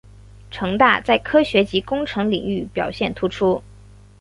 城大在科学及工程领域表现突出。